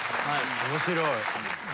面白い。